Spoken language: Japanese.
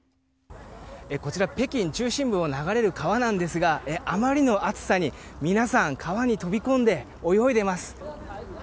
こちら、北京中心部を流れる川なんですがあまりの暑さに皆さん、川に飛び込んで泳いでいます。